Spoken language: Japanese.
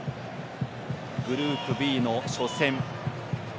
グループＢの初戦。